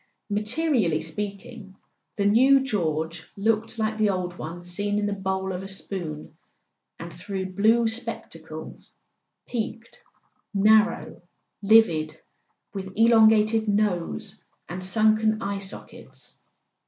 Materially speaking, the new George looked like the old one seen in the bowl of a spoon, and through blue spectacles: peaked, narrow, livid, with elongated nose and sunken eye sockets.